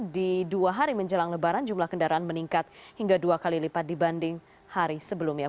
di dua hari menjelang lebaran jumlah kendaraan meningkat hingga dua kali lipat dibanding hari sebelumnya